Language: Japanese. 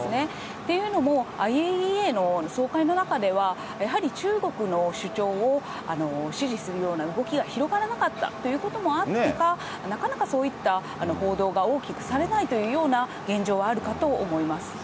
っていうのも、ＩＡＥＡの総会の中では、やはり中国の主張を支持するような動きが広がらなかったということもあってか、なかなかそういった報道が大きくされないというような現状はあるかと思います。